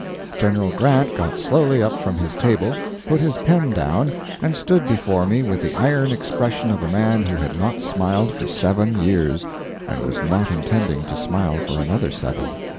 General Grant got slowly up from his table, put his pen down, and stood before me with the iron expression of a man who had not smiled for seven years, and was not intending to smile for another seven.